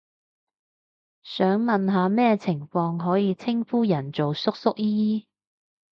想問下咩情況可以稱呼人做叔叔姨姨？